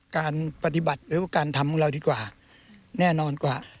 การปฏิบัติหรือว่าการทำของเราดีกว่าแน่นอนกว่า